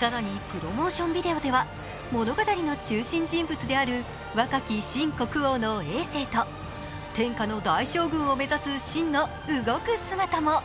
更にプロモーションビデオでは物語の中心人物である若き秦国王のえい政と天下の大将軍を目指す信の動く姿も。